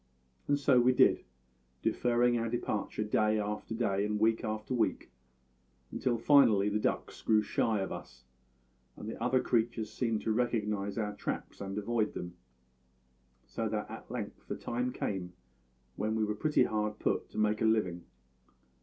And so we did, deferring our departure day after day and week after week, until finally the ducks grew shy of us, and the other creatures seemed to recognise our traps and avoid them; so that at length a time came when we were pretty hard put to it to make a living.